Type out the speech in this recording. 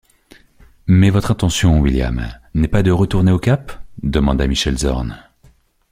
Mais votre intention, William, n’est pas de retourner au Cap? demanda Michel Zorn.